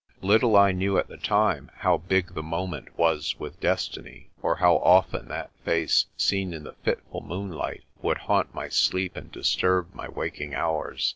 Little I knew at the time how big the moment was with destiny, or how often that face seen in the fitful moonlight would haunt my sleep and disturb my waking hours.